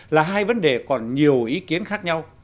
là hai vấn đề còn nhiều ý kiến khác nhau